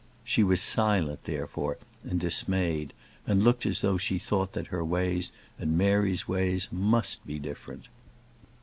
She was silent, therefore, and dismayed; and looked as though she thought that her ways and Mary's ways must be different.